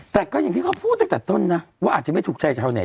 แต่ก็อย่างที่เขาพูดตั้งแต่ต้นนะว่าอาจจะไม่ถูกใจชาวเน็